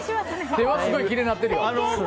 手はすごいきれいになってるよ。